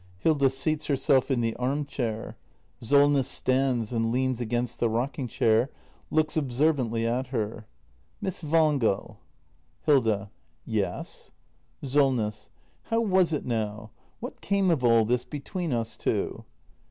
[Hilda seats herself in the arm chair. Solness stands and leans against the rocking chair. Looks observantly at her.] Miss Wangel ! Hilda. Yes! Solness. How w a s it now ? What came of all this — between us two